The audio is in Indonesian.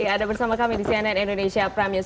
ada bersama kami di cnn indonesia prime news